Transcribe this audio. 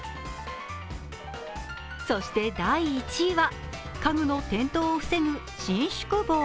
そして第１位は家具の転倒を防ぐ伸縮棒。